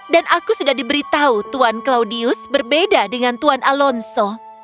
dan aku sudah diberitahu tuan claudius berbeda dengan tuan alonso